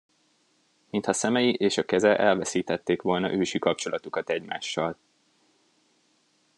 Mintha szemei és a keze elveszítették volna ősi kapcsolatukat egymással.